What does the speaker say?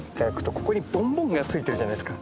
ここにボンボンがついてるじゃないですか。